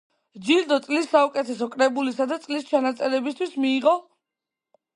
ჯილდო, წლის საუკეთესო კრებულის და წლის ჩანაწერისთვის მიიღო.